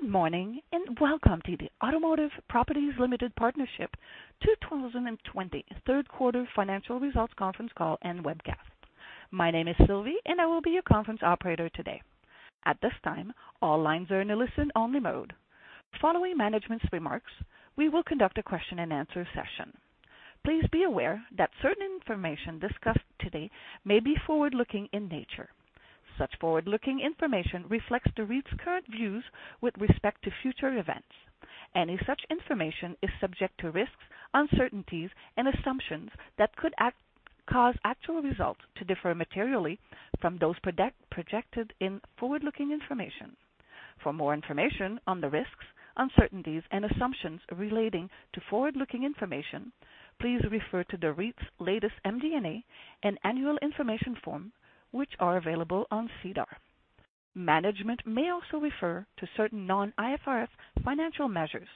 Good morning, welcome to the Automotive Properties Limited Partnership 2020 Q3 financial results conference call and webcast. My name is Sylvie, I will be your conference operator today. At this time, all lines are in a listen-only mode. Following management's remarks, we will conduct a question-and-answer session. Please be aware that certain information discussed today may be forward-looking in nature. Such forward-looking information reflects the REIT's current views with respect to future events. Any such information is subject to risks, uncertainties, and assumptions that could cause actual results to differ materially from those projected in forward-looking information. For more information on the risks, uncertainties, and assumptions relating to forward-looking information, please refer to the REIT's latest MD&A and annual information form, which are available on SEDAR. Management may also refer to certain non-IFRS financial measures.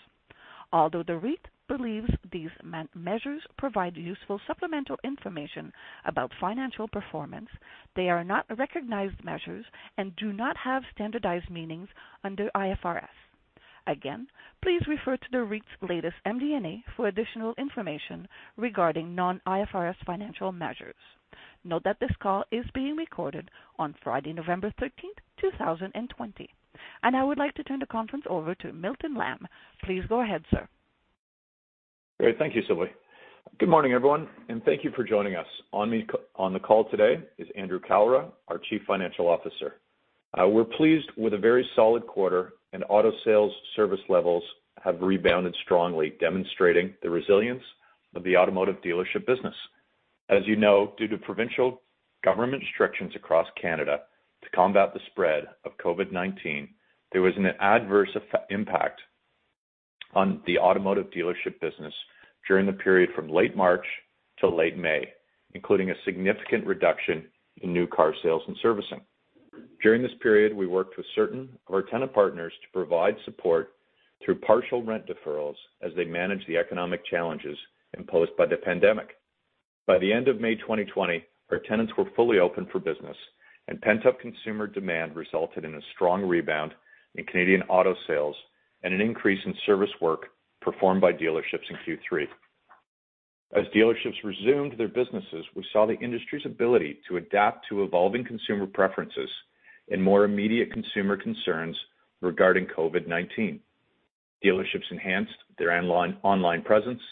Although the REIT believes these measures provide useful supplemental information about financial performance, they are not recognized measures and do not have standardized meanings under IFRS. Again, please refer to the REIT's latest MD&A for additional information regarding non-IFRS financial measures. Note that this call is being recorded on Friday, November 13, 2020. I would like to turn the conference over to Milton Lamb. Please go ahead, sir. Great. Thank you, Sylvie. Good morning, everyone, and thank you for joining us. On the call today is Andrew Kalra, our Chief Financial Officer. We're pleased with a very solid quarter, and auto sales service levels have rebounded strongly, demonstrating the resilience of the automotive dealership business. As you know, due to provincial government restrictions across Canada to combat the spread of COVID-19, there was an adverse impact on the automotive dealership business during the period from late March to late May, including a significant reduction in new car sales and servicing. During this period, we worked with certain of our tenant partners to provide support through partial rent deferrals as they managed the economic challenges imposed by the pandemic. By the end of May 2020, our tenants were fully open for business, and pent-up consumer demand resulted in a strong rebound in Canadian auto sales and an increase in service work performed by dealerships in Q3. As dealerships resumed their businesses, we saw the industry's ability to adapt to evolving consumer preferences and more immediate consumer concerns regarding COVID-19. Dealerships enhanced their online presence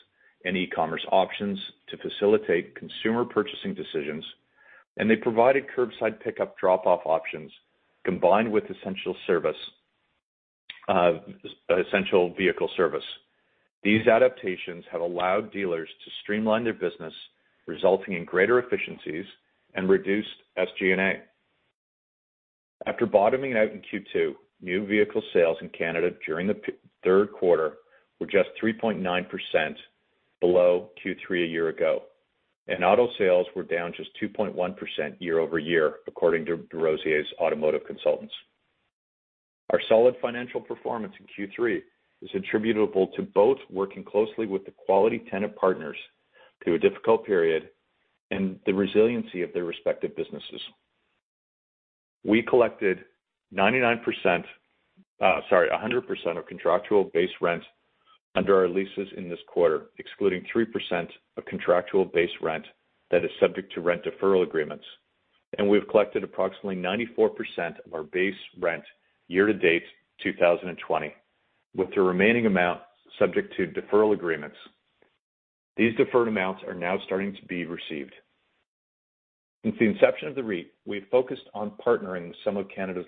and e-commerce options to facilitate consumer purchasing decisions, and they provided curbside pickup drop-off options, combined with essential vehicle service. These adaptations have allowed dealers to streamline their business, resulting in greater efficiencies and reduced SG&A. After bottoming out in Q2, new vehicle sales in Canada during the third quarter were just 3.9% below Q3 a year ago, and auto sales were down just 2.1% year-over-year, according to DesRosiers Automotive Consultants. Our solid financial performance in Q3 is attributable to both working closely with the quality tenant partners through a difficult period and the resiliency of their respective businesses. We collected 100% of contractual base rent under our leases in this quarter, excluding 3% of contractual base rent that is subject to rent deferral agreements, and we've collected approximately 94% of our base rent year-to-date 2020, with the remaining amount subject to deferral agreements. These deferred amounts are now starting to be received. Since the inception of the REIT, we have focused on partnering with some of Canada's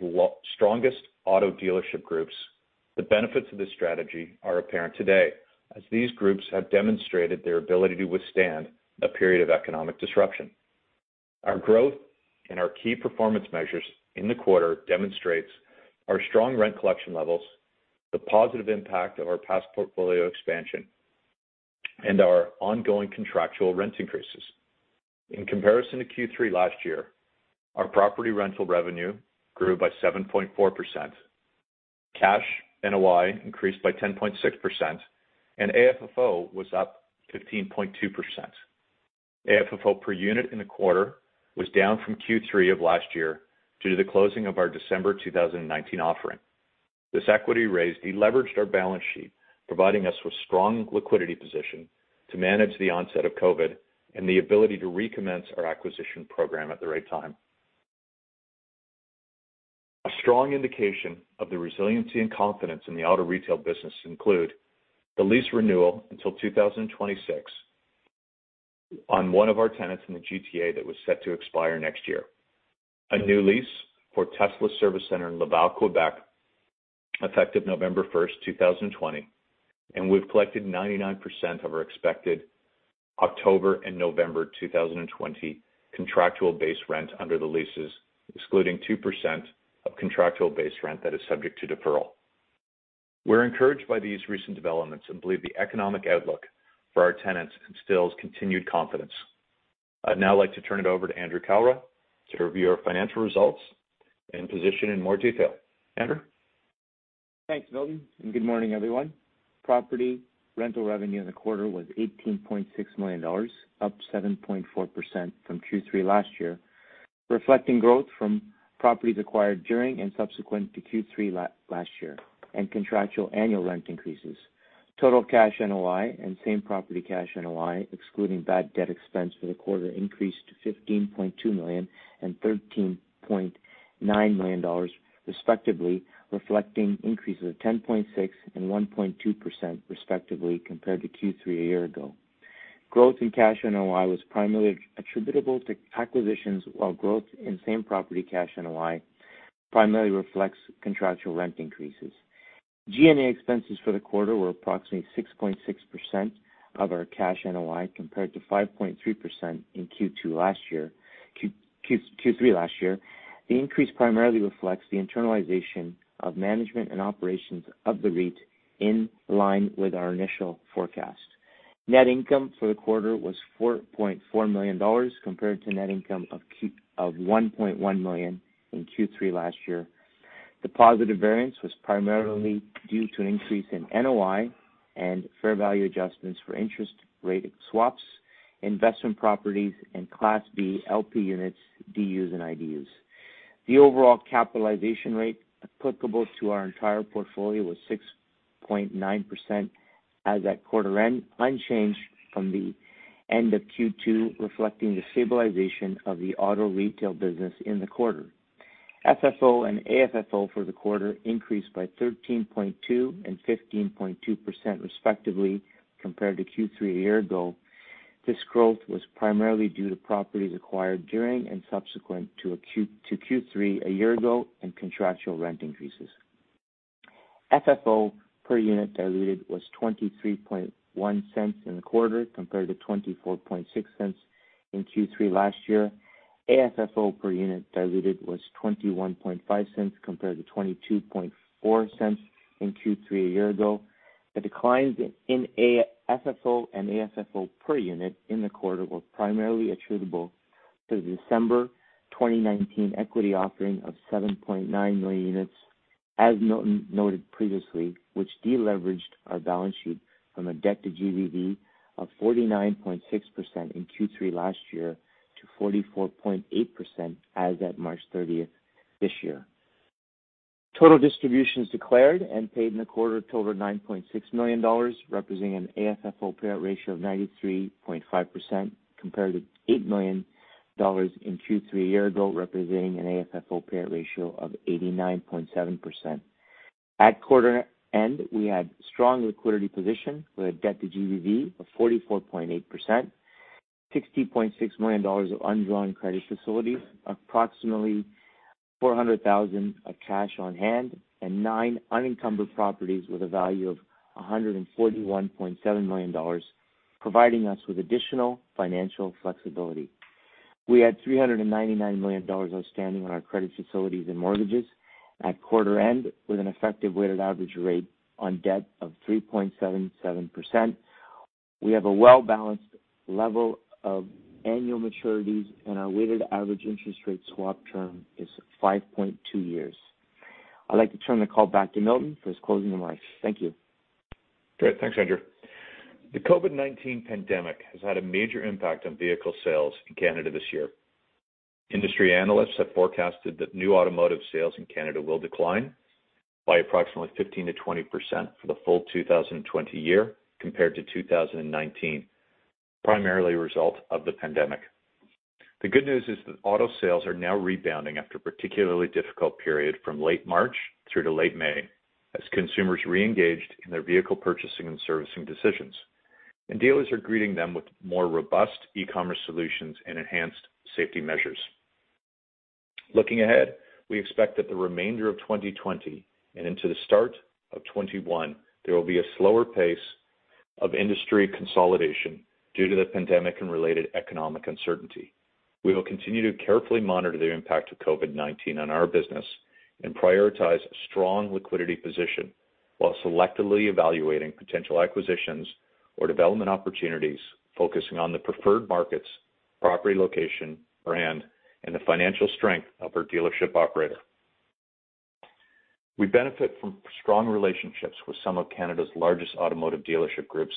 strongest auto dealership groups. The benefits of this strategy are apparent today, as these groups have demonstrated their ability to withstand a period of economic disruption. Our growth and our key performance measures in the quarter demonstrates our strong rent collection levels, the positive impact of our past portfolio expansion, and our ongoing contractual rent increases. In comparison to Q3 last year, our property rental revenue grew by 7.4%, cash NOI increased by 10.6%, and AFFO was up 15.2%. AFFO per unit in the quarter was down from Q3 of last year due to the closing of our December 2019 offering. This equity raise de-leveraged our balance sheet, providing us with strong liquidity position to manage the onset of COVID and the ability to recommence our acquisition program at the right time. A strong indication of the resiliency and confidence in the auto retail business include the lease renewal until 2026 on one of our tenants in the GTA that was set to expire next year, a new lease for Tesla's service center in Laval, Quebec, effective November 1st, 2020, and we've collected 99% of our expected October and November 2020 contractual base rent under the leases, excluding 2% of contractual base rent that is subject to deferral. We're encouraged by these recent developments and believe the economic outlook for our tenants instills continued confidence. I'd now like to turn it over to Andrew Kalra to review our financial results and position in more detail. Andrew? Thanks, Milton. Good morning, everyone. Property rental revenue in the quarter was 18.6 million dollars, up 7.4% from Q3 last year. Reflecting growth from properties acquired during and subsequent to Q3 last year and contractual annual rent increases. Total cash NOI and same-property cash NOI, excluding bad debt expense for the quarter, increased to 15.2 million and 13.9 million dollars, respectively, reflecting increases of 10.6% and 1.2%, respectively, compared to Q3 a year ago. Growth in cash NOI was primarily attributable to acquisitions, while growth in same-property cash NOI primarily reflects contractual rent increases. G&A expenses for the quarter were approximately 6.6% of our cash NOI, compared to 5.3% in Q3 last year. The increase primarily reflects the internalization of management and operations of the REIT in line with our initial forecast. Net income for the quarter was 4.4 million dollars compared to net income of 1.1 million in Q3 last year. The positive variance was primarily due to an increase in NOI and fair value adjustments for interest rate swaps, investment properties, and Class B LP units, DUs, and IDUs. The overall capitalization rate applicable to our entire portfolio was 6.9% as at quarter end, unchanged from the end of Q2, reflecting the stabilization of the auto retail business in the quarter. FFO and AFFO for the quarter increased by 13.2% and 15.2%, respectively, compared to Q3 a year ago. This growth was primarily due to properties acquired during and subsequent to Q3 a year ago and contractual rent increases. FFO per unit diluted was 0.231 in the quarter, compared to 0.246 in Q3 last year. AFFO per unit diluted was 0.215, compared to 0.224 in Q3 a year ago. The declines in FFO and AFFO per unit in the quarter were primarily attributable to the December 2019 equity offering of 7.9 million units, as noted previously, which de-leveraged our balance sheet from a debt to GBV of 49.6% in Q3 last year to 44.8% as at March 30th this year. Total distributions declared and paid in the quarter totaled 9.6 million dollars, representing an AFFO payout ratio of 93.5%, compared to 8 million dollars in Q3 a year ago, representing an AFFO payout ratio of 89.7%. At quarter end, we had strong liquidity position with a debt to GDV of 44.8%, 60.6 million dollars of undrawn credit facilities, approximately 400,000 of cash on hand, and nine unencumbered properties with a value of 141.7 million dollars, providing us with additional financial flexibility. We had 399 million dollars outstanding on our credit facilities and mortgages at quarter end, with an effective weighted average rate on debt of 3.77%. We have a well-balanced level of annual maturities, and our weighted average interest rate swap term is 5.2 years. I'd like to turn the call back to Milton for his closing remarks. Thank you. Great. Thanks, Andrew. The COVID-19 pandemic has had a major impact on vehicle sales in Canada this year. Industry analysts have forecasted that new automotive sales in Canada will decline by approximately 15%-20% for the full 2020 year compared to 2019, primarily a result of the pandemic. The good news is that auto sales are now rebounding after a particularly difficult period from late March through to late May, as consumers reengaged in their vehicle purchasing and servicing decisions. Dealers are greeting them with more robust e-commerce solutions and enhanced safety measures. Looking ahead, we expect that the remainder of 2020 and into the start of 2021, there will be a slower pace of industry consolidation due to the pandemic and related economic uncertainty. We will continue to carefully monitor the impact of COVID-19 on our business and prioritize a strong liquidity position while selectively evaluating potential acquisitions or development opportunities, focusing on the preferred markets, property location, brand, and the financial strength of our dealership operator. We benefit from strong relationships with some of Canada's largest automotive dealership groups,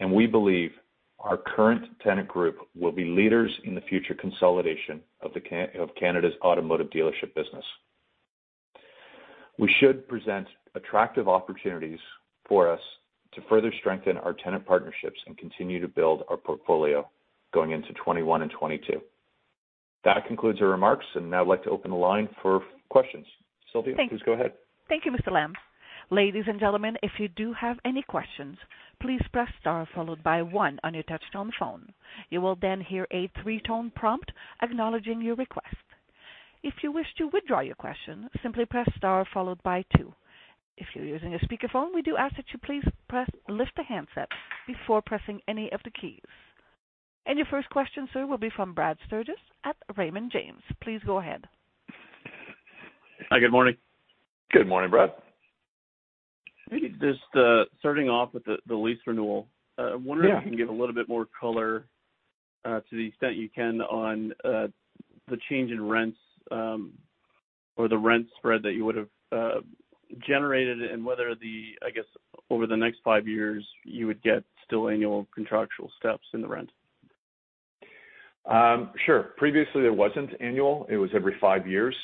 and we believe our current tenant group will be leaders in the future consolidation of Canada's automotive dealership business. We should present attractive opportunities for us to further strengthen our tenant partnerships and continue to build our portfolio going into 2021 and 2022. That concludes our remarks, now I'd like to open the line for questions. Sylvie, please go ahead. Thank you, Mr. Lamb. Ladies and gentlemen, if you do have any questions, please press star followed by one on your touchtone phone. You will then hear a three-tone prompt acknowledging your request. If you wish to withdraw your question, simply press star followed by two. If you're using a speakerphone, we do ask that you please lift the handset before pressing any of the keys. Your first question, sir, will be from Brad Sturges at Raymond James. Please go ahead. Hi. Good morning. Good morning, Brad. Maybe just starting off with the lease renewal. Yeah. I'm wondering if you can give a little bit more color, to the extent you can, on the change in rents. The rent spread that you would have generated, and whether, I guess, over the next five years, you would get still annual contractual steps in the rent? Sure. Previously, it wasn't annual. It was every five years.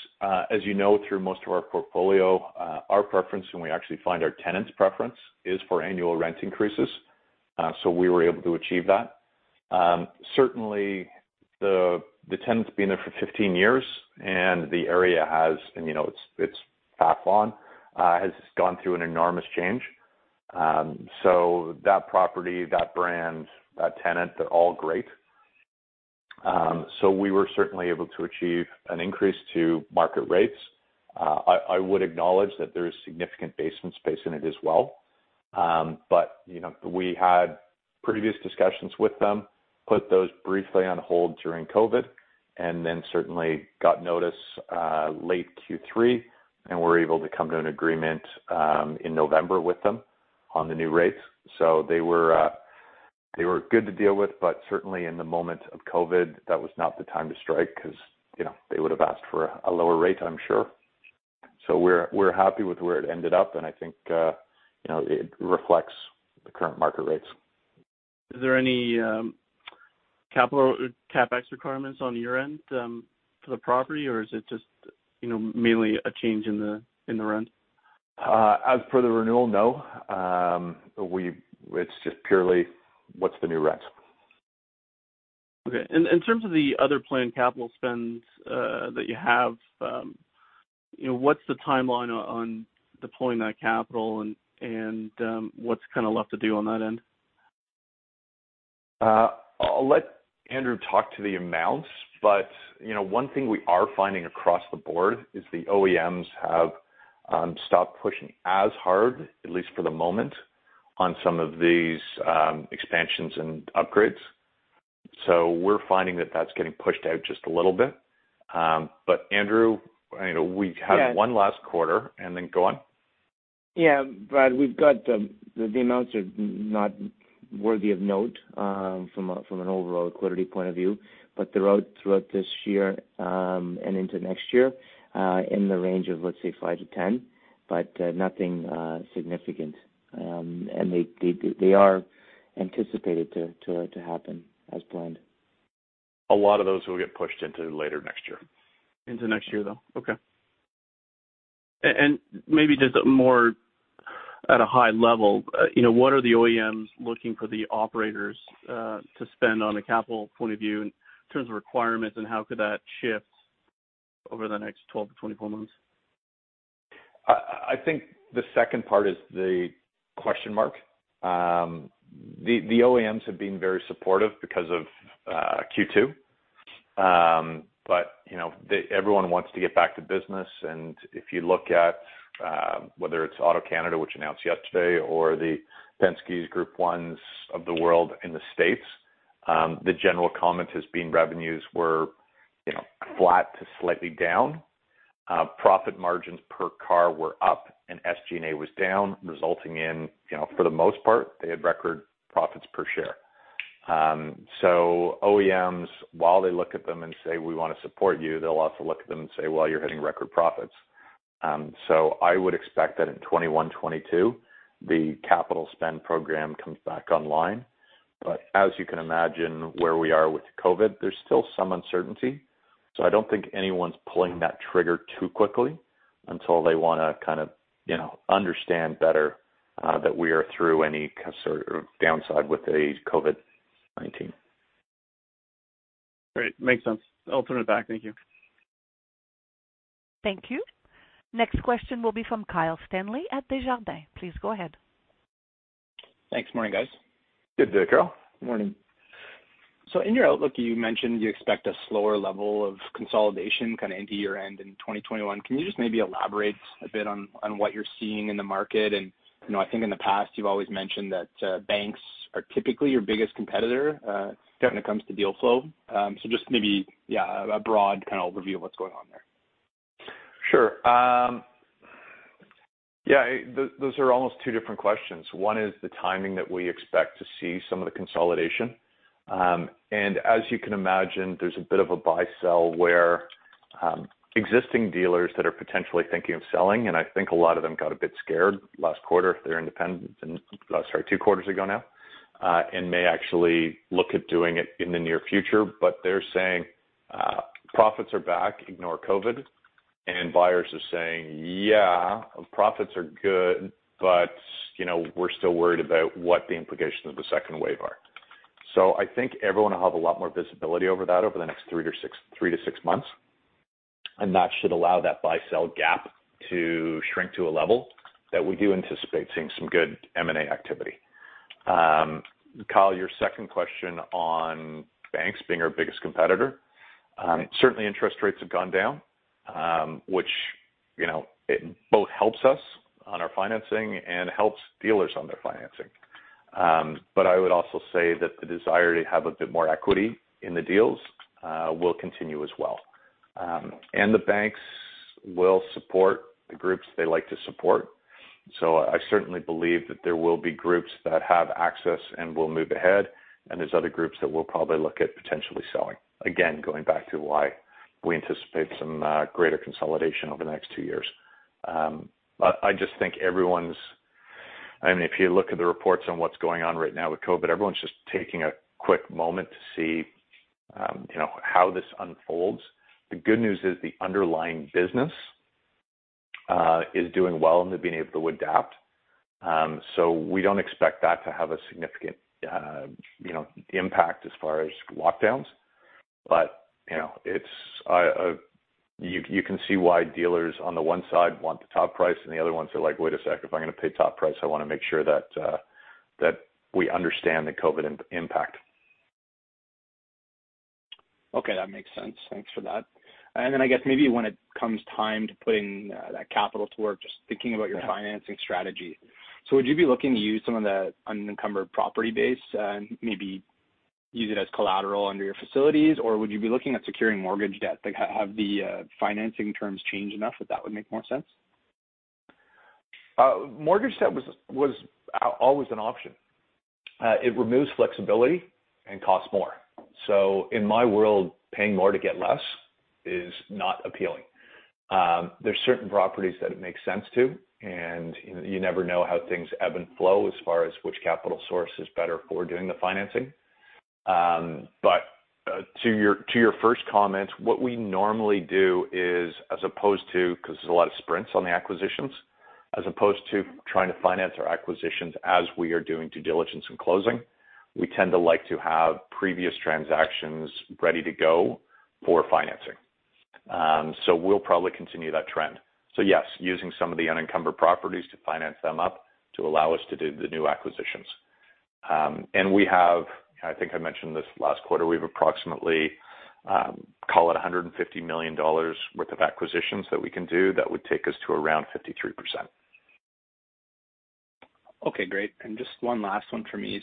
We were able to achieve that. Certainly, the tenant's been there for 15 years, and the area has, and it's Vaughan, has gone through an enormous change. That property, that brand, that tenant, they're all great. We were certainly able to achieve an increase to market rates. I would acknowledge that there is significant basement space in it as well. We had previous discussions with them, put those briefly on hold during COVID-19, then certainly got notice late Q3, were able to come to an agreement in November with them on the new rates. They were good to deal with, but certainly in the moment of COVID, that was not the time to strike because they would've asked for a lower rate, I'm sure. We're happy with where it ended up, and I think it reflects the current market rates. Is there any CapEx requirements on your end for the property, or is it just mainly a change in the rent? As for the renewal, no. It's just purely, what's the new rent? Okay. In terms of the other planned capital spends that you have, what's the timeline on deploying that capital and what's left to do on that end? I'll let Andrew talk to the amounts. One thing we are finding across the board is the OEMs have stopped pushing as hard, at least for the moment, on some of these expansions and upgrades. We're finding that that's getting pushed out just a little bit. Andrew, we had one last quarter, and then go on. Yeah. Brad, the amounts are not worthy of note from an overall liquidity point of view. Throughout this year, and into next year, in the range of, let's say, five to 10, but nothing significant. They are anticipated to happen as planned. A lot of those will get pushed into later next year. Into next year, though? Okay. Maybe just more at a high level, what are the OEMs looking for the operators to spend on a capital point of view in terms of requirements and how could that shift over the next 12 - 24 months? I think the second part is the question mark. The OEMs have been very supportive because of Q2. Everyone wants to get back to business, and if you look at whether it is AutoCanada, which announced yesterday, or the Penske's Group 1s of the world in the States, the general comment has been revenues were flat to slightly down. Profit margins per car were up and SG&A was down, resulting in, for the most part, they had record profits per share. OEMs, while they look at them and say, We want to support you, they will also look at them and say, Well, you are hitting record profits. I would expect that in 2021, 2022, the capital spend program comes back online. As you can imagine, where we are with COVID, there is still some uncertainty. I don't think anyone's pulling that trigger too quickly until they want to understand better that we are through any downside with the COVID-19. Great. Makes sense. I'll turn it back. Thank you. Thank you. Next question will be from Kyle Stanley at Desjardins. Please go ahead. Thanks. Morning, guys. Good day, Kyle. Morning. In your outlook, you mentioned you expect a slower level of consolidation into your end in 2021. Can you just maybe elaborate a bit on what you're seeing in the market? I think in the past, you've always mentioned that banks are typically your biggest competitor when it comes to deal flow. Just maybe a broad overview of what's going on there. Sure. Yeah, those are almost two different questions. One is the timing that we expect to see some of the consolidation. As you can imagine, there's a bit of a buy-sell where existing dealers that are potentially thinking of selling, and I think a lot of them got a bit scared last quarter if they're independent, and last, sorry, two quarters ago now, and may actually look at doing it in the near future. They're saying profits are back, ignore COVID. Buyers are saying, Yeah, profits are good, but we're still worried about what the implications of the second wave are. I think everyone will have a lot more visibility over that over the next three to six months, and that should allow that buy-sell gap to shrink to a level that we do anticipate seeing some good M&A activity. Kyle, your second question on banks being our biggest competitor. Certainly, interest rates have gone down, which it both helps us on our financing and helps dealers on their financing. I would also say that the desire to have a bit more equity in the deals will continue as well. The banks will support the groups they like to support. I certainly believe that there will be groups that have access and will move ahead, and there's other groups that we'll probably look at potentially selling. Again, going back to why we anticipate some greater consolidation over the next two years. If you look at the reports on what's going on right now with COVID, everyone's just taking a quick moment to see how this unfolds. The good news is the underlying business is doing well and they're being able to adapt. We don't expect that to have a significant impact as far as lockdowns. You can see why dealers on the one side want the top price, and the other ones are like, "Wait a second. If I'm going to pay top price, I want to make sure that we understand the COVID impact. Okay. That makes sense. Thanks for that. I guess maybe when it comes time to putting that capital to work, just thinking about your financing strategy. Would you be looking to use some of the unencumbered property base, maybe use it as collateral under your facilities? Would you be looking at securing mortgage debt? Have the financing terms changed enough that would make more sense? Mortgage debt was always an option. It removes flexibility and costs more. In my world, paying more to get less is not appealing. There's certain properties that it makes sense to, and you never know how things ebb and flow as far as which capital source is better for doing the financing. To your first comment, what we normally do is, because there's a lot of sprints on the acquisitions, as opposed to trying to finance our acquisitions as we are doing due diligence and closing, we tend to like to have previous transactions ready to go for financing. We'll probably continue that trend. Yes, using some of the unencumbered properties to finance them up to allow us to do the new acquisitions. We have, I think I mentioned this last quarter, we have approximately, call it 150 million dollars worth of acquisitions that we can do that would take us to around 53%. Okay, great. Just one last one for me.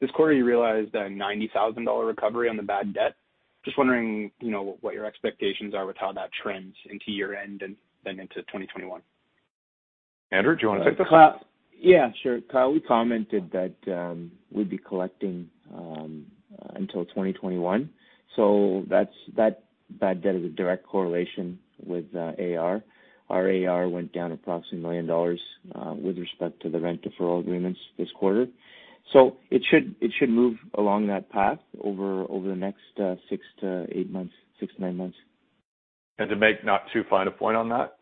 This quarter, you realized a 90,000 dollar recovery on the bad debt. Just wondering what your expectations are with how that trends into year-end and then into 2021? Andrew, do you want to take this? Yeah, sure. Kyle, we commented that we'd be collecting until 2021. That bad debt is a direct correlation with AR. Our AR went down approximately 1 million dollars with respect to the rent deferral agreements this quarter. It should move along that path over the next six to nine months. To make not too fine a point on that,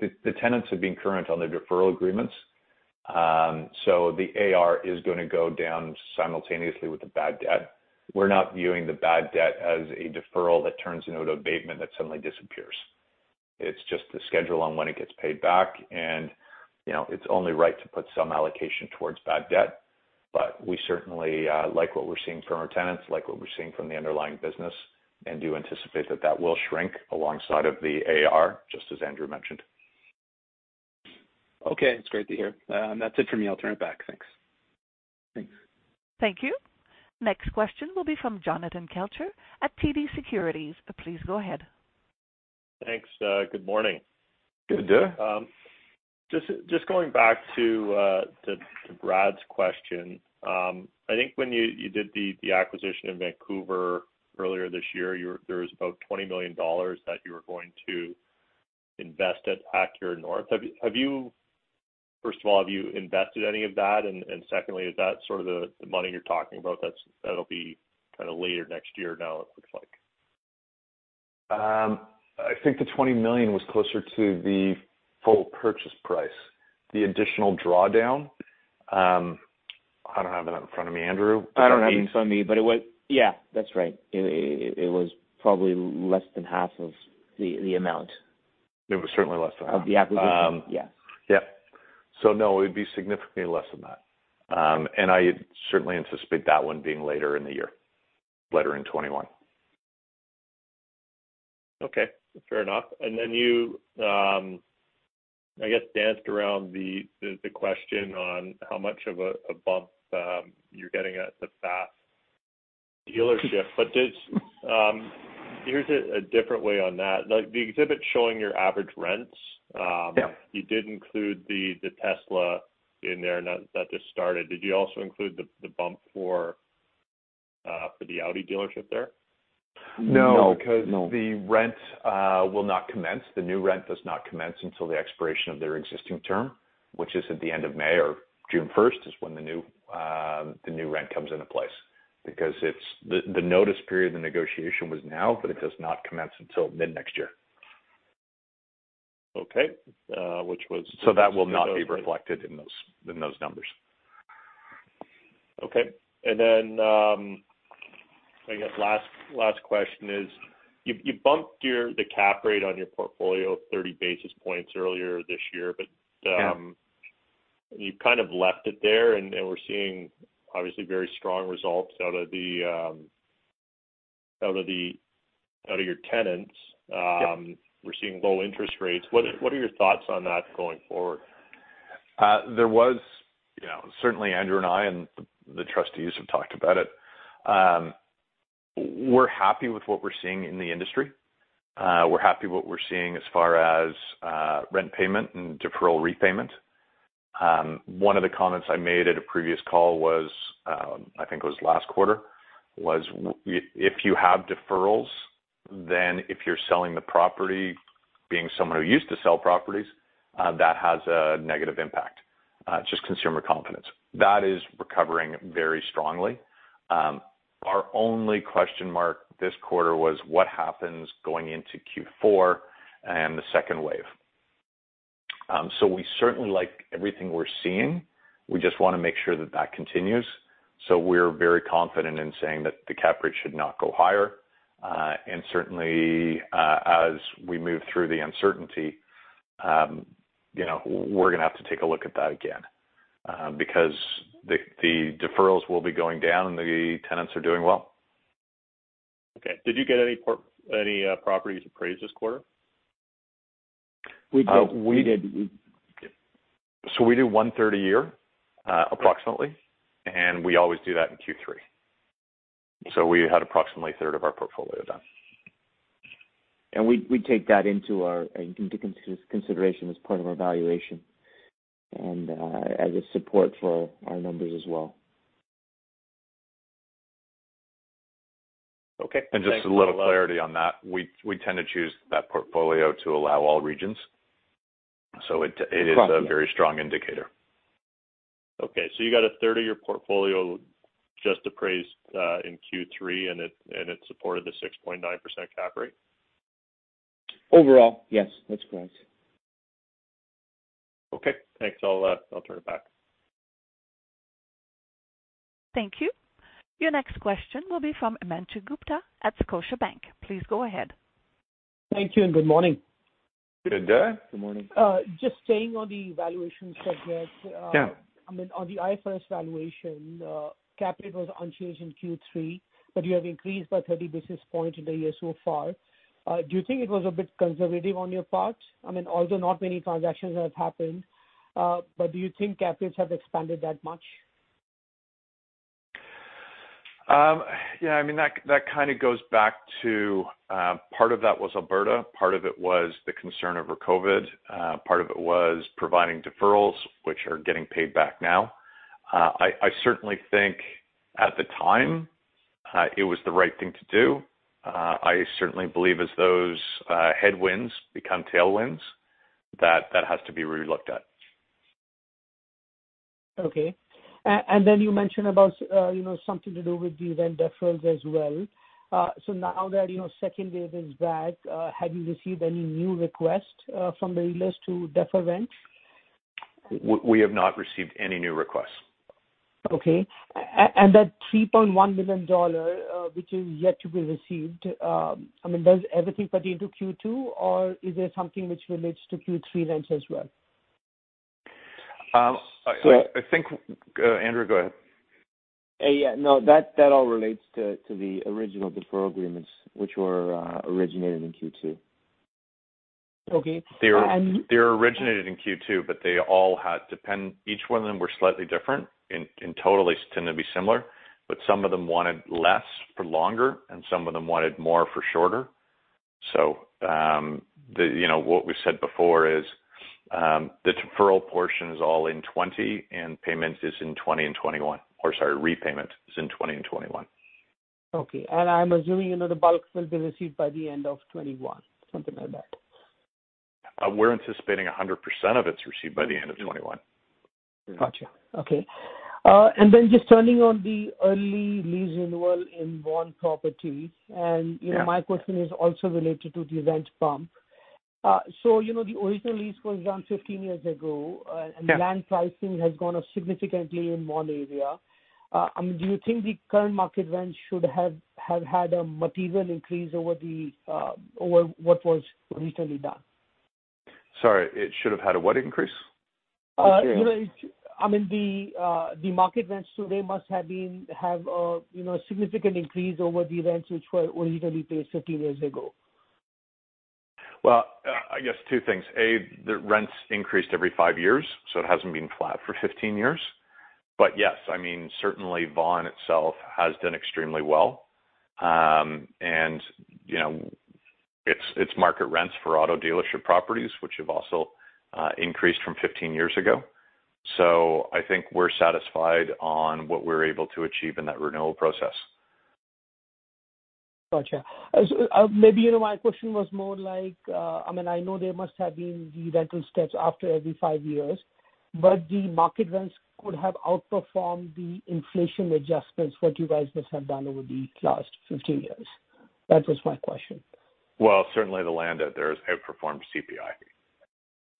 the tenants have been current on their deferral agreements. The AR is going to go down simultaneously with the bad debt. We are not viewing the bad debt as a deferral that turns into an abatement that suddenly disappears. It is just the schedule on when it gets paid back, and it is only right to put some allocation towards bad debt. We certainly like what we are seeing from our tenants, like what we are seeing from the underlying business, and do anticipate that that will shrink alongside of the AR, just as Andrew mentioned. Okay. It's great to hear. That's it for me. I'll turn it back. Thanks. Thanks. Thank you. Next question will be from Jonathan Kelcher at TD Securities. Please go ahead. Thanks. Good morning. Good day. Just going back to Brad's question. I think when you did the acquisition in Vancouver earlier this year, there was about 20 million dollars that you were going to invest at Acura North. First of all, have you invested any of that? Secondly, is that sort of the money you're talking about that'll be kind of later next year now it looks like? I think the 20 million was closer to the full purchase price. The additional drawdown, I don't have it in front of me. Andrew? I don't have it in front of me, but yeah. That's right. It was probably less than half of the amount. It was certainly less than half. of the acquisition. Yes. Yep. No, it would be significantly less than that. I certainly anticipate that one being later in the year, later in 2021. Okay. Fair enough. Then you, I guess, danced around the question on how much of a bump you're getting at the Pfaff dealership. Here's a different way on that. The exhibit showing your average rents. Yeah You did include the Tesla in there that just started. Did you also include the bump for the Audi dealership there? No. No. The rent will not commence. The new rent does not commence until the expiration of their existing term, which is at the end of May or June 1st, is when the new rent comes into place. The notice period of the negotiation was now, but it does not commence until mid-next year. Okay. That will not be reflected in those numbers. Okay. Then I guess last question is, you bumped the cap rate on your portfolio 30 basis points earlier this year. Yeah You kind of left it there, and we're seeing obviously very strong results out of your tenants. Yeah. We're seeing low interest rates. What are your thoughts on that going forward? Andrew and I, and the trustees have talked about it. We're happy with what we're seeing in the industry. We're happy what we're seeing as far as rent payment and deferral repayment. One of the comments I made at a previous call was, I think it was last quarter, was if you have deferrals, then if you're selling the property, being someone who used to sell properties, that has a negative impact. Just consumer confidence. That is recovering very strongly. Our only question mark this quarter was what happens going into Q4 and the second wave. We certainly like everything we're seeing. We just want to make sure that that continues. We're very confident in saying that the cap rate should not go higher. Certainly, as we move through the uncertainty, we're going to have to take a look at that again. Because the deferrals will be going down and the tenants are doing well. Okay. Did you get any properties appraised this quarter? We did. We do one third a year, approximately, and we always do that in Q3. We had approximately a third of our portfolio done. We take that into consideration as part of our valuation and as a support for our numbers as well. Okay. Thank you. Just a little clarity on that. We tend to choose that portfolio to allow all regions. It is a very strong indicator. Okay. You got a third of your portfolio just appraised in Q3, and it supported the 6.9% cap rate? Overall, yes. That's correct. Okay. Thanks. I'll turn it back. Thank you. Your next question will be from Himanshu Gupta at Scotiabank. Please go ahead. Thank you and good morning. Good day. Good morning. Just staying on the valuation segment. Yeah on the IFRS valuation, cap rate was unchanged in Q3, but you have increased by 30 basis points in the year so far. Do you think it was a bit conservative on your part? Also not many transactions have happened. Do you think cap rates have expanded that much? That kind of goes back to part of that was Alberta, part of it was the concern over COVID, part of it was providing deferrals, which are getting paid back now. I certainly think at the time it was the right thing to do. I certainly believe as those headwinds become tailwinds, that has to be re-looked at. Okay. You mentioned about something to do with the rent deferrals as well. Now that second wave is back, have you received any new requests from the lessors to defer rent? We have not received any new requests. Okay. That 3.1 million dollar, which is yet to be received, does everything pertain to Q2, or is there something which relates to Q3 rents as well? Andrew, go ahead. Yeah. That all relates to the original deferral agreements, which were originated in Q2. Okay. They were originated in Q2, but each one of them were slightly different. In total, they tend to be similar, but some of them wanted less for longer, and some of them wanted more for shorter. What we've said before is the deferral portion is all in 2020, and repayment is in 2020 and 2021. Okay. I'm assuming the bulk will be received by the end of 2021, something like that? We're anticipating 100% of it's received by the end of 2021. Got you. Okay. Then just turning to the early lease renewal in Vaughan property. Yeah my question is also related to the rent bump. The original lease was around 15 years ago. Yeah Land pricing has gone up significantly in Vaughan area. Do you think the current market rent should have had a material increase over what was recently done? Sorry, it should have had a what increase? The market rents today must have significant increase over the rents which were originally paid 15 years ago. Well, I guess two things. A, the rents increased every five years. It hasn't been flat for 15 years. Yes, certainly Vaughan itself has done extremely well. It's market rents for auto dealership properties, which have also increased from 15 years ago. I think we're satisfied on what we were able to achieve in that renewal process. Got you. Maybe my question was more like, I know there must have been the rental steps after every five years, but the market rents could have outperformed the inflation adjustments, what you guys must have done over the last 15 years. That was my question. Certainly the land out there has outperformed CPI.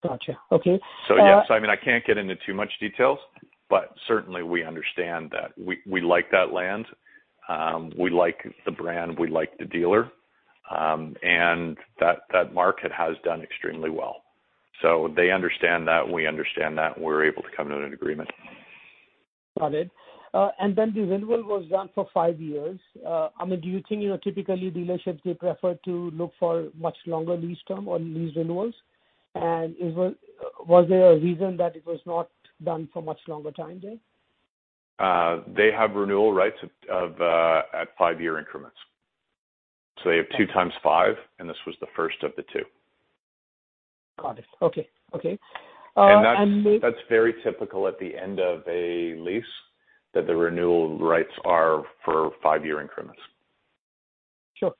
Got you. Okay. Yes. I can't get into too much details, but certainly we understand that. We like that land. We like the brand, we like the dealer. That market has done extremely well. They understand that, we understand that, and we were able to come to an agreement. Got it. The renewal was done for five years. Do you think, typically dealerships, they prefer to look for much longer lease term on lease renewals? Was there a reason that it was not done for much longer time there? They have renewal rights at five-year increments. They have two times five, and this was the first of the two. Got it. Okay. That's very typical at the end of a lease, that the renewal rights are for five-year increments. Sure.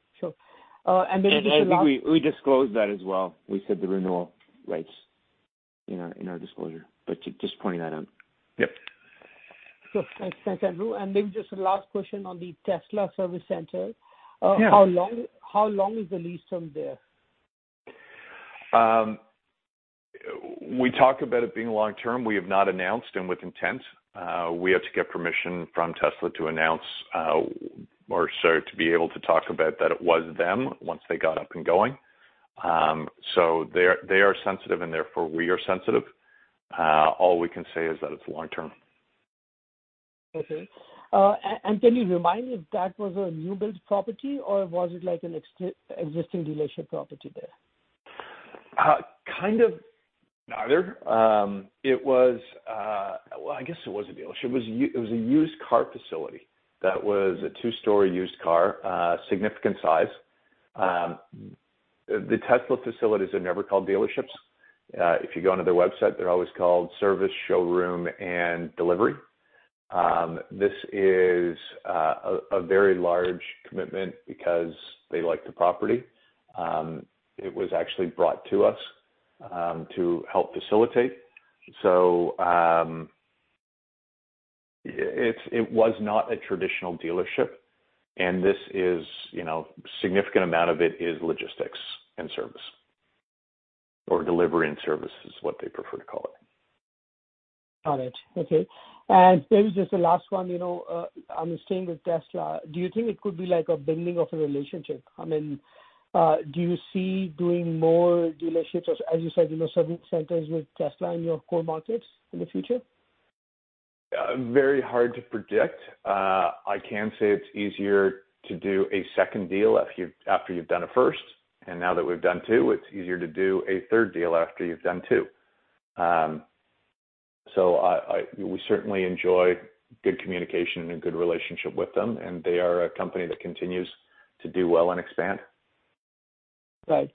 I think we disclosed that as well. We said the renewal rights in our disclosure, but just pointing that out. Yep. Sure. Thanks, Andrew. Maybe just a last question on the Tesla service center. Yeah. How long is the lease term there? We talk about it being long-term. We have not announced and with intent. We have to get permission from Tesla to announce or, sorry, to be able to talk about that it was them once they got up and going. They are sensitive and therefore we are sensitive. All we can say is that it's long-term. Okay. Can you remind me if that was a new build property or was it an existing dealership property there? Kind of neither. Well, I guess it was a dealership. It was a used car facility that was a two-story used car, significant size. The Tesla facilities are never called dealerships. If you go onto their website, they're always called service showroom and delivery. This is a very large commitment because they like the property. It was actually brought to us to help facilitate. It was not a traditional dealership. Significant amount of it is logistics and service, or delivery and service is what they prefer to call it. Got it. Okay. Maybe just a last one, staying with Tesla, do you think it could be like a building of a relationship? Do you see doing more dealerships or, as you said, service centers with Tesla in your core markets in the future? Very hard to predict. I can say it's easier to do a second deal after you've done a first, and now that we've done two, it's easier to do a third deal after you've done two. We certainly enjoy good communication and a good relationship with them, and they are a company that continues to do well and expand. Right.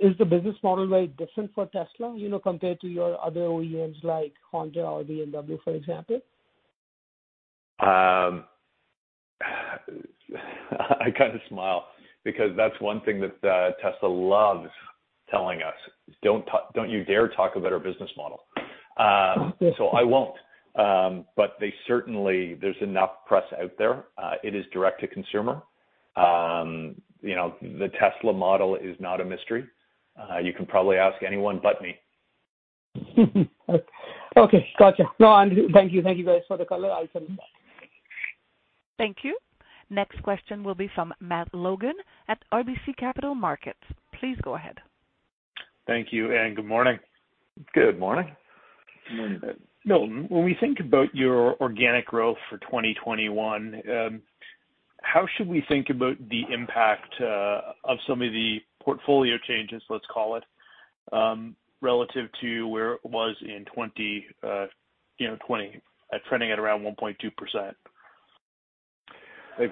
Is the business model very different for Tesla compared to your other OEMs like Honda or BMW, for example? I kind of smile because that's one thing that Tesla loves telling us, "Don't you dare talk about our business model. Okay. I won't. There's enough press out there. It is direct to consumer. The Tesla model is not a mystery. You can probably ask anyone but me. Okay. Got you. No, Andrew, thank you. Thank you, guys, for the color. I'll send it back. Thank you. Next question will be from Matt Logan at RBC Capital Markets. Please go ahead. Thank you, and good morning. Good morning. Good morning, Matt. Milton, when we think about your organic growth for 2021, how should we think about the impact of some of the portfolio changes, let's call it, relative to where it was in 2020 at trending at around 1.2%?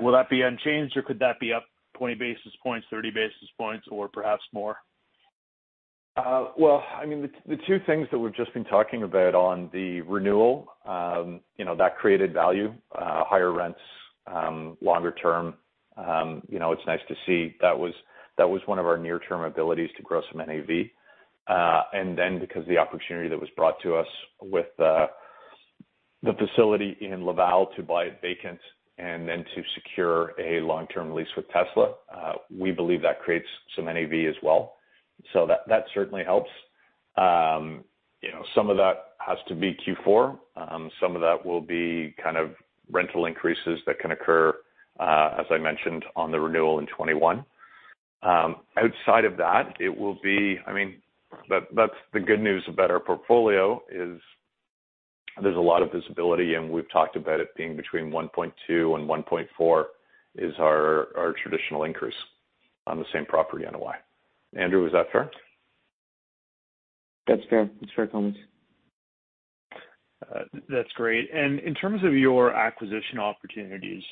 Will that be unchanged or could that be up 20 basis points, 30 basis points, or perhaps more? The two things that we've just been talking about on the renewal, that created value, higher rents, longer term. It's nice to see that was one of our near-term abilities to grow some NAV. Because the opportunity that was brought to us with the facility in Laval to buy it vacant and then to secure a long-term lease with Tesla, we believe that creates some NAV as well. That certainly helps. Some of that has to be Q4. Some of that will be rental increases that can occur, as I mentioned, on the renewal in 2021. Outside of that's the good news about our portfolio is there's a lot of visibility, and we've talked about it being between 1.2 and 1.4 is our traditional increase on the same-property NOI. Andrew, is that fair? That's fair. That's fair comments. That's great. In terms of your acquisition opportunities,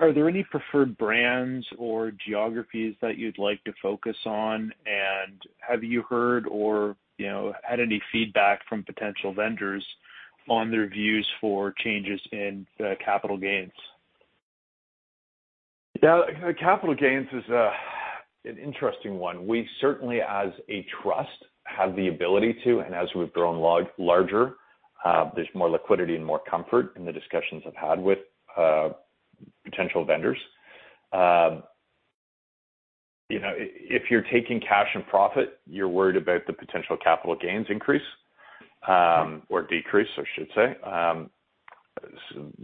are there any preferred brands or geographies that you'd like to focus on? Have you heard or had any feedback from potential vendors on their views for changes in the capital gains? Yeah. Capital gains is an interesting one. We certainly, as a trust, have the ability to, and as we've grown larger, there's more liquidity and more comfort in the discussions I've had with potential vendors. If you're taking cash and profit, you're worried about the potential capital gains increase or decrease, I should say.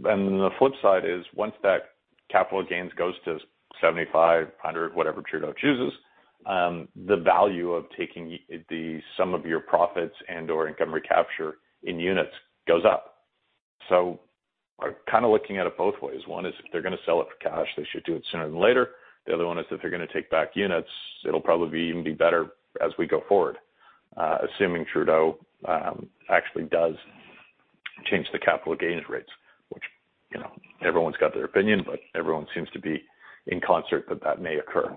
The flip side is once that capital gains goes to 75, 100, whatever Trudeau chooses. The value of taking the sum of your profits and/or income recapture in units goes up. Kind of looking at it both ways. One is if they're going to sell it for cash, they should do it sooner than later. The other one is if they're going to take back units, it'll probably even be better as we go forward, assuming Trudeau actually does change the capital gains rates, which everyone's got their opinion, but everyone seems to be in concert that that may occur.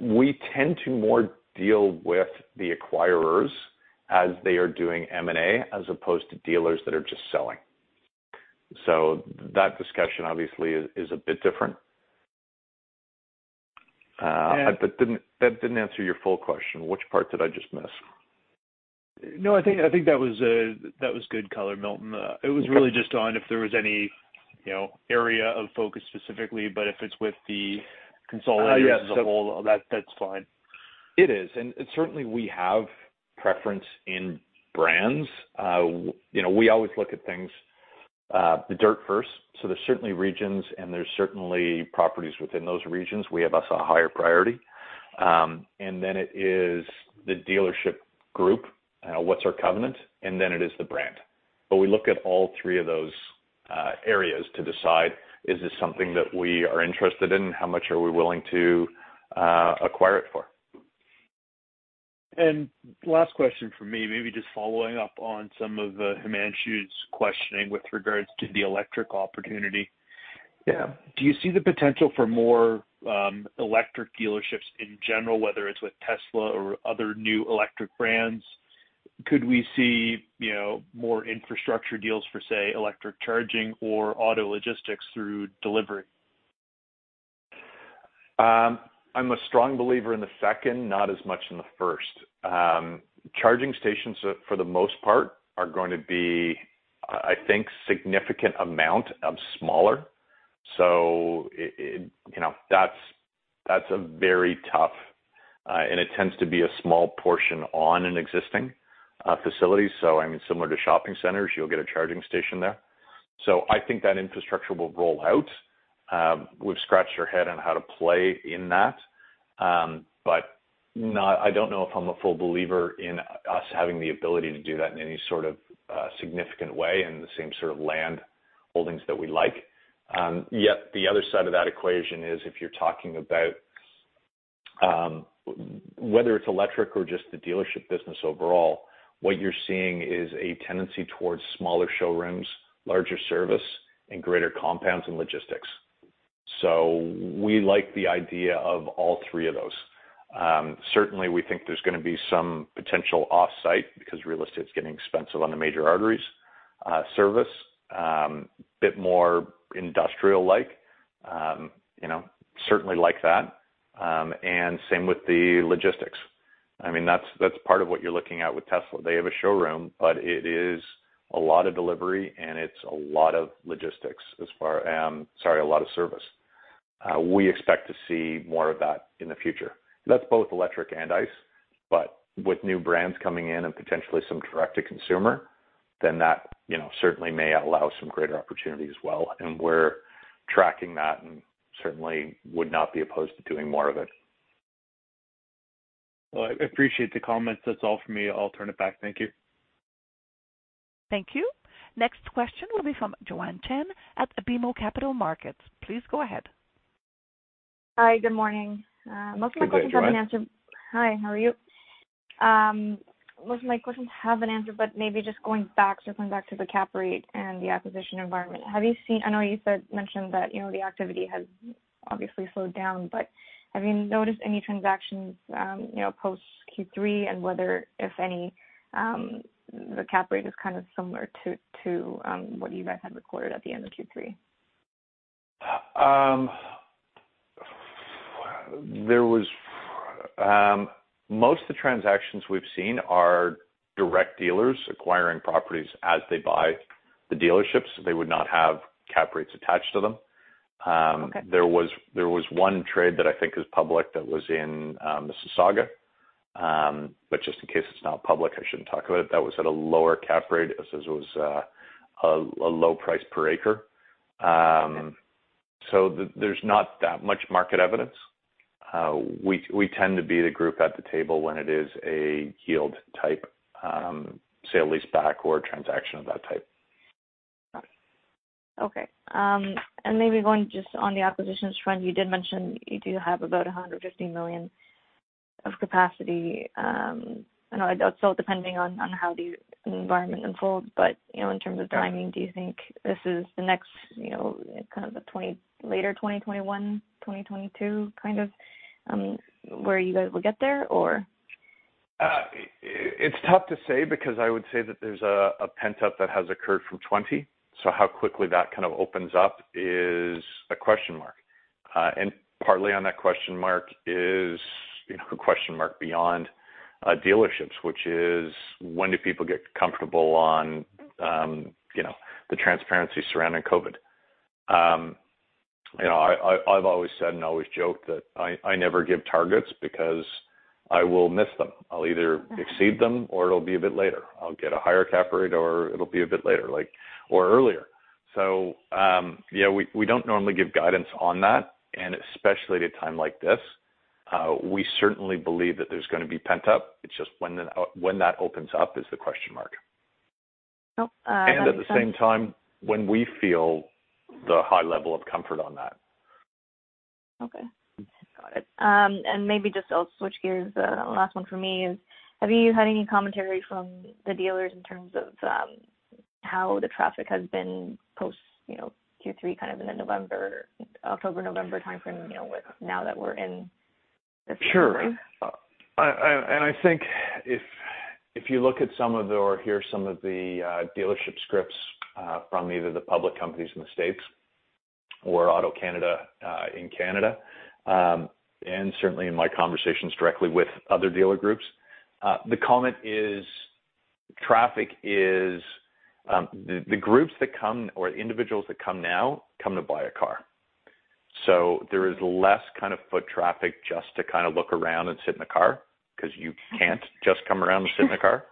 We tend to more deal with the acquirers as they are doing M&A, as opposed to dealers that are just selling. That discussion obviously is a bit different. Yeah. That didn't answer your full question. Which part did I just miss? No, I think that was good color, Milton. It was really just on if there was any area of focus specifically, but if it's with the consolidators as a whole. Yes. That's fine. It is, and certainly we have preference in brands. We always look at things the dirt first. There's certainly regions and there's certainly properties within those regions. We have us a higher priority. Then it is the dealership group, what's our covenant, and then it is the brand. We look at all three of those areas to decide, is this something that we are interested in? How much are we willing to acquire it for? Last question from me, maybe just following up on some of Himanshu's questioning with regards to the electric opportunity. Yeah. Do you see the potential for more electric dealerships in general, whether it's with Tesla or other new electric brands? Could we see more infrastructure deals for, say, electric charging or auto logistics through delivery? I'm a strong believer in the second, not as much in the first. Charging stations, for the most part, are going to be, I think, significant amount of smaller. That's very tough, and it tends to be a small portion on an existing facility. I mean, similar to shopping centers, you'll get a charging station there. I think that infrastructure will roll out. We've scratched our head on how to play in that. I don't know if I'm a full believer in us having the ability to do that in any sort of significant way in the same sort of land holdings that we like. Yet, the other side of that equation is if you're talking about whether it's electric or just the dealership business overall, what you're seeing is a tendency towards smaller showrooms, larger service, and greater compounds and logistics. We like the idea of all three of those. Certainly, we think there's going to be some potential offsite because real estate's getting expensive on the major arteries. Service, bit more industrial-like. We certainly like that. Same with the logistics. That's part of what you're looking at with Tesla. They have a showroom, but it is a lot of delivery, and it's a lot of logistics, sorry, a lot of service. We expect to see more of that in the future. That's both electric and ICE, but with new brands coming in and potentially some direct to consumer, that certainly may allow some greater opportunity as well. We're tracking that and certainly would not be opposed to doing more of it. Well, I appreciate the comments. That's all for me. I'll turn it back. Thank you. Thank you. Next question will be from Joanne Chen at BMO Capital Markets. Please go ahead. Hi. Good morning. Good day, Joanne. Most of my questions have been answered. Hi, how are you? Most of my questions have been answered. Maybe just circling back to the cap rate and the acquisition environment. I know you mentioned that the activity has obviously slowed down. Have you noticed any transactions post Q3, and whether, if any, the cap rate is kind of similar to what you guys had recorded at the end of Q3? Most of the transactions we've seen are direct dealers acquiring properties as they buy the dealerships. They would not have cap rates attached to them. Okay. There was one trade that I think is public that was in Mississauga, but just in case it's not public, I shouldn't talk about it. That was at a lower cap rate. It was a low price per acre. Okay. There's not that much market evidence. We tend to be the group at the table when it is a yield type, say a lease back or a transaction of that type. Got it. Okay. Maybe going just on the acquisitions front, you did mention you do have about 150 million of capacity. I know that's all depending on how the environment unfolds. In terms of timing, do you think this is the next kind of later 2021, 2022 kind of where you guys will get there, or? It's tough to say because I would say that there's a pent-up that has occurred from 2020. How quickly that kind of opens up is a question mark. Partly on that question mark is a question mark beyond dealerships, which is when do people get comfortable on the transparency surrounding COVID? I've always said and always joked that I never give targets because I will miss them. I'll either exceed them or it'll be a bit later. I'll get a higher cap rate or it'll be a bit later or earlier. We don't normally give guidance on that, and especially at a time like this. We certainly believe that there's going to be pent-up. It's just when that opens up is the question mark. Nope. That makes sense. At the same time, when we feel the high level of comfort on that. Okay. Got it. Maybe just I'll switch gears. The last one from me is, have you had any commentary from the dealers in terms of how the traffic has been post Q3 in the October, November timeframe, now that we're in December? Sure. I think if you look at some of, or hear some of the dealership scripts from either the public companies in the U.S. or AutoCanada in Canada, and certainly in my conversations directly with other dealer groups, the comment is the groups that come or individuals that come now, come to buy a car. There is less foot traffic just to look around and sit in the car, because you can't just come around and sit in the car.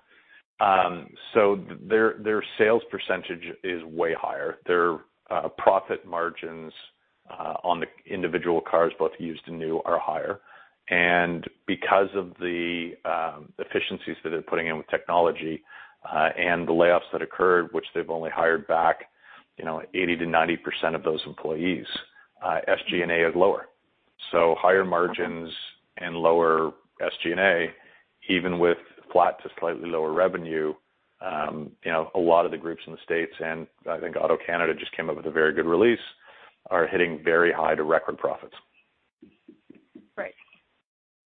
Their sales percentage is way higher. Their profit margins on the individual cars, both used and new, are higher. Because of the efficiencies that they're putting in with technology, and the layoffs that occurred, which they've only hired back 80%-90% of those employees, SG&A is lower. Higher margins and lower SG&A, even with flat to slightly lower revenue, a lot of the groups in the U.S., and I think AutoCanada just came up with a very good release, are hitting very high to record profits. Right.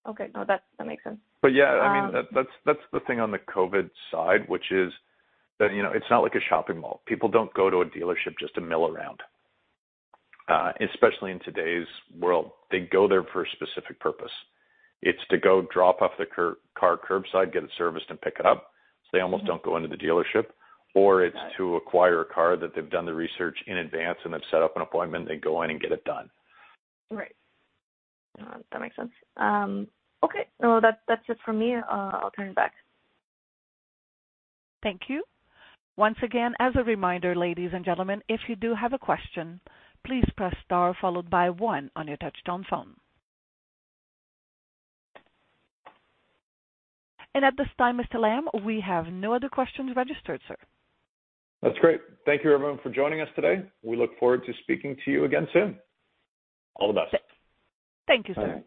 Okay. No, that makes sense. Yeah, I mean, that's the thing on the COVID-19 side, which is that it's not like a shopping mall. People don't go to a dealership just to mill around, especially in today's world. They go there for a specific purpose. It's to go drop off their car curbside, get it serviced, and pick it up, so they almost don't go into the dealership. It's to acquire a car that they've done the research in advance, and they've set up an appointment, they go in and get it done. Right. No, that makes sense. Okay. No, that's it for me. I'll turn it back. Thank you. Once again, as a reminder, ladies and gentlemen, if you do have a question, please press star followed by one on your touch-tone phone. At this time, Mr. Lamb, we have no other questions registered, sir. That's great. Thank you everyone for joining us today. We look forward to speaking to you again soon. All the best. Thank you, sir. All right.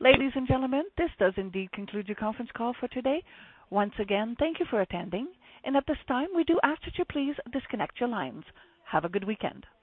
Ladies and gentlemen, this does indeed conclude your conference call for today. Once again, thank you for attending, and at this time, we do ask that you please disconnect your lines. Have a good weekend.